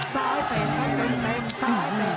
สายแปะเขากันเพลง